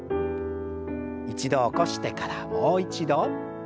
一度起こしてからもう一度。